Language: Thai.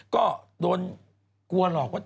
ก็โดนกลัวหลอกว่า